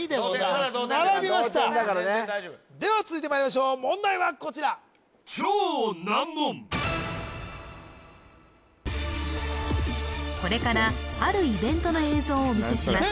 同点まだ同点だから並びました同点だからねでは続いてまいりましょう問題はこちらこれからあるイベントの映像をお見せします